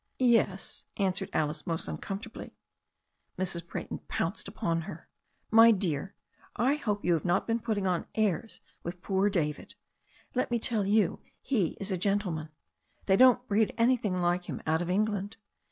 "Yes," answered Alice most uncomfortably. Mrs. Brayton pounced upon her. "My dear, I hope you have not been putting on airs with poor David. Let me tell you he is a gentleman. They don't breed anything like him out of England.